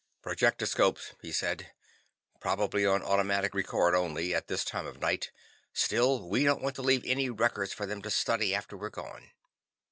"Projectoscopes," he said. "Probably on automatic record only, at this time of night. Still, we don't want to leave any records for them to study after we're gone."